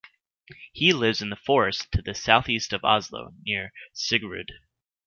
He lives in the forests to the southeast of Oslo, near Siggerud.